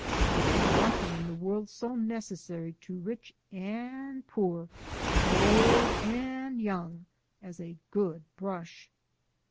There's nothin' in the world so necessary to rich AN' poor, old AN' young as a good brush!"